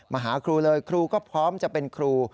มาหาครูเลยครูก็พร้อมจะเป็นครู